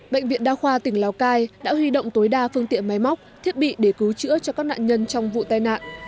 bệnh viện đa khoa tỉnh lào cai đã huy động tối đa phương tiện máy móc thiết bị để cứu chữa cho các nạn nhân trong vụ tai nạn